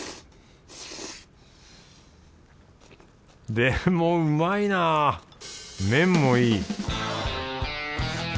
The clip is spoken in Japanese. でもうまいなぁ麺もいい